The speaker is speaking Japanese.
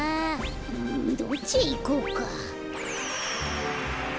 うんどっちへいこうか？